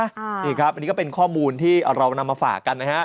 นี่ครับอันนี้ก็เป็นข้อมูลที่เรานำมาฝากกันนะฮะ